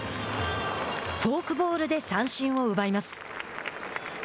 フォークボールで三振を奪います。